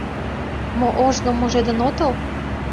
Мо, ожно мужедын отыл?